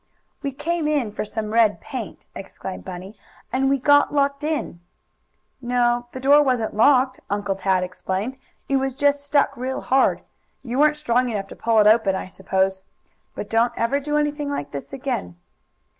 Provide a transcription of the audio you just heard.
"We came in for some red paint," explained Bunny, "and we got locked in." "No, the door wasn't locked," Uncle Tad explained. "It was just stuck real hard. You weren't strong enough to pull it open, I suppose. But don't ever do anything like this again."